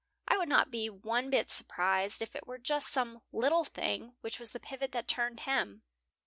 I would not be one bit surprised if it were just some little thing which was the pivot that turned him."